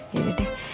ya udah deh